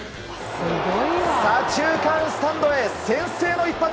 左中間スタンドへ先制の一発。